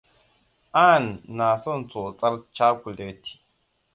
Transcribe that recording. Ann na son tsotsar cakuleti.